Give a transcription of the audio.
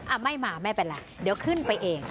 อ่ะไม่มาไม่เป็นไรเดี๋ยวขึ้นไปเอง